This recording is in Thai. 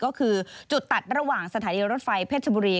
ก็คือจุดตัดระหว่างสถานีรถไฟเพชรบุรี